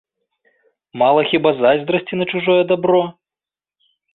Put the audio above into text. Мала хіба зайздрасці на чужое дабро?